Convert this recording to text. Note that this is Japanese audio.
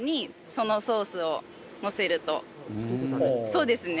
そうですね。